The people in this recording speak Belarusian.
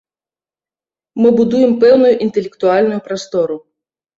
Мы будуем пэўную інтэлектуальную прастору.